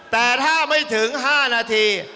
แต่ถ้าไม่ถึง๕นาที